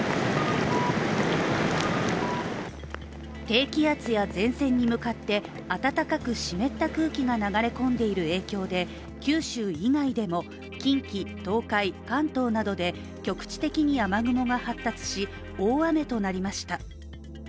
低気圧や前線に向かって温かく湿った空気が流れ込んでいる影響で九州以外でも近畿、東海、関東などで局地的に雨雲が発達し大雨となりました。